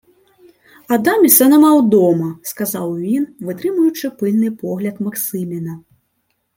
— Адаміса нема вдома, — сказав він, витримуючи пильний погляд Максиміна.